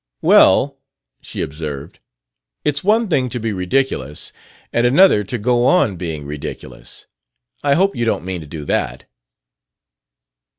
"Well," she observed, "it's one thing to be ridiculous and another to go on being ridiculous. I hope you don't mean to do that?"